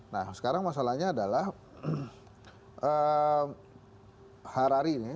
nah sekarang masalahnya adalah harari